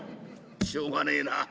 「しょうがねえな。